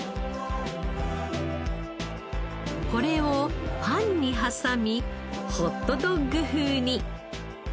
これをパンに挟みホットドッグ風に。